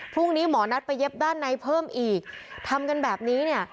พรุ่งนี้หมอนัดไปเย็บด้านในเพิ่มอีกทำกันแบบนี้เนี่ย